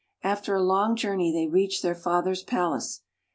After a long journey they reached their father's palace.